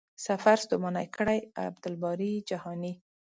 سفر ستومانه کړی.عبدالباري جهاني